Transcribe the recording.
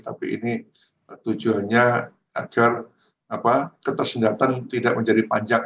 tapi ini tujuannya agar ketersendatan tidak menjadi panjang